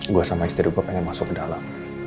gue sama istri gue pengen masuk ke dalam